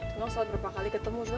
kenal soal berapa kali ketemu juga